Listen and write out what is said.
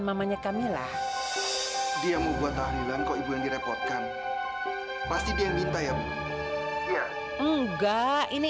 namanya kamilah dia mau buat tahlilan kok ibu yang direpotkan pasti dia yang minta ya bu iya enggak ini